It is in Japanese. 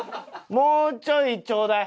もうちょいちょうだい。